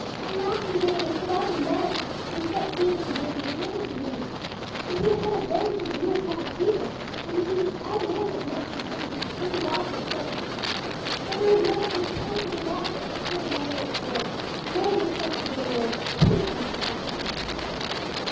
At last, he was able to sit up in bed, but he felt faint and dizzy whenever he moved. For he had had a very severe attack of fever, and he needed all manner of nourishing things to bring back his strength. But there was no one to attend to the wants of the poor motherless boy. No one, except the dear Lord; He had not forgotten him.